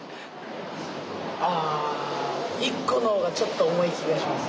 ああ１個の方がちょっと重い気がします。